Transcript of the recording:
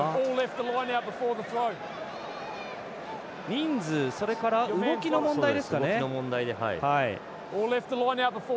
人数それから動きの問題ですかね。